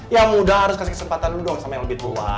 ya muda harus kasih kesempatan dulu dong sama yang lebih tua